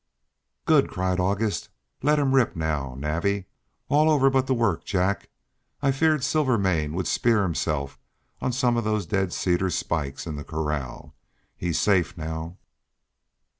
"Good!" cried August. "Let him rip now, Navvy. All over but the work, Jack. I feared Silvermane would spear himself on some of those dead cedar spikes in the corral. He's safe now."